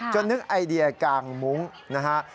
นึกไอเดียกางมุ้งนะฮะ